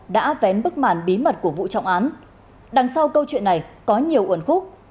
đã vén bức màn bí mật của vụ trọng án đằng sau câu chuyện này có nhiều uẩn khúc